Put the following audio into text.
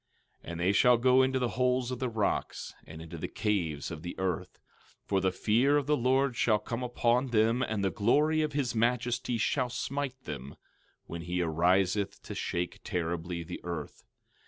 12:19 And they shall go into the holes of the rocks, and into the caves of the earth, for the fear of the Lord shall come upon them and the glory of his majesty shall smite them, when he ariseth to shake terribly the earth.